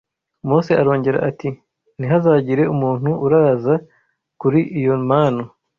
Mose arongera ati ntihazagire umuntu uraza kuri iyo manu